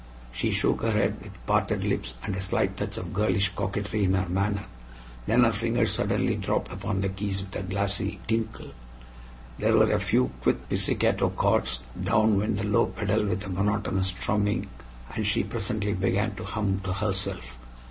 She shook her head with parted lips and a slight touch of girlish coquetry in her manner. Then her fingers suddenly dropped upon the keys with a glassy tinkle; there were a few quick pizzicato chords, down went the low pedal with a monotonous strumming, and she presently began to hum to herself.